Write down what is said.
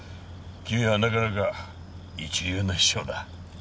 君はなかなか一流の秘書だ。